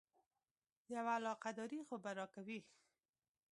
یوه علاقه داري خو به راکوې.